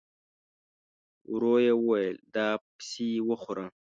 ورو يې وويل: دا پسې وخوره!